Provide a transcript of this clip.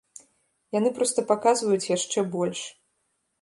Яны проста паказваюць яшчэ больш.